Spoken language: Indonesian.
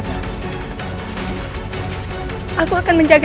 bu apapun yang terjadi